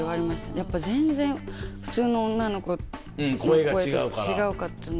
やっぱ全然普通の女の子の声と違かったんで。